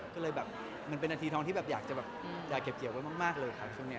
ก็เลยมันเป็นนาธิธรรมที่อยากจะเก็บเกี่ยวไว้มากเลยค่ะช่วงนี้